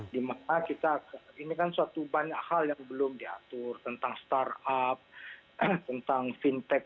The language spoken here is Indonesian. dimana kita ini kan suatu banyak hal yang belum diatur tentang startup tentang fintech